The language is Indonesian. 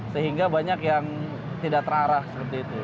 sehingga banyak yang tidak terarah seperti itu